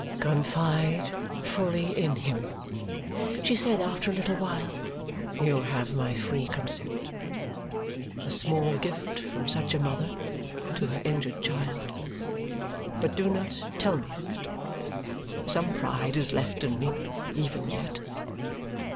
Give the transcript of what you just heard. "Confide fully in him," she said after a little while. "You have my free consent a small gift from such a mother to her injured child! but do not tell me of it. Some pride is left in me even yet."